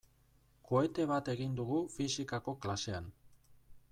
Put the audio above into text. Kohete bat egin dugu fisikako klasean.